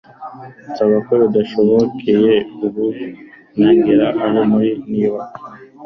nsaba ko binshobokeye ubu nagera aho muri niba